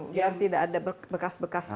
biar tidak ada bekas bekas